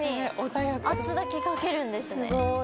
圧だけかけるんですね。